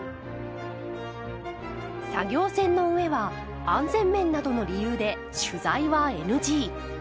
作業船の上は安全面などの理由で取材はＮＧ。